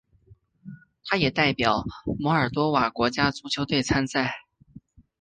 他也代表摩尔多瓦国家足球队参赛。